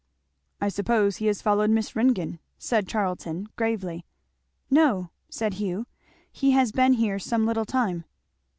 "I suppose he has followed Miss Ringgan," said Charlton gravely. "No," said Hugh, "he has been here some little time."